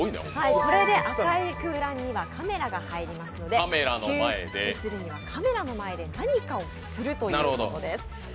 これで、赤い空欄にはカメラが入りますので救出するにはカメラの前で何かをするということです。